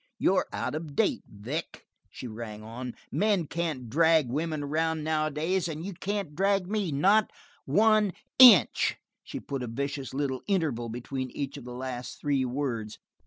"You're out of date, Vic," she ran on. "Men can't drag women around nowadays, and you can't drag me. Not one inch." She put a vicious little interval between each of the last three words.